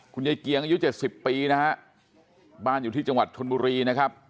ยายเกียงอายุ๗๐ปีนะฮะบ้านอยู่ที่จังหวัดชนบุรีนะครับ